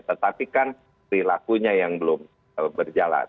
tetapi kan perilakunya yang belum berjalan